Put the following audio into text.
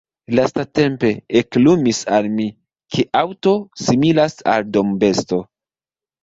Lastatempe eklumis al mi, ke aŭto similas al dombesto.